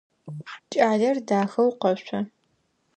Кӏалэр дахэу къэшъо.